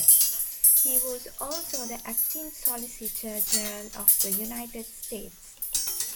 He was also the acting Solicitor General of the United States.